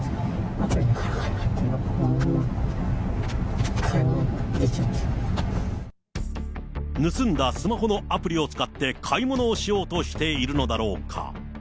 アプリが入っていればこのまま買い物、盗んだスマホのアプリを使って、買い物をしようとしているのだろうか。